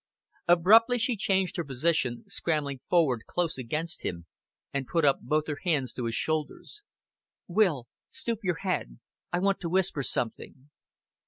Abruptly she changed her position, scrambling forward close against him, and put up both her hands to his shoulders. "Will, stoop your head. I want to whisper something."